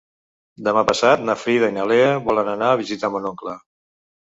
Demà passat na Frida i na Lea volen anar a visitar mon oncle.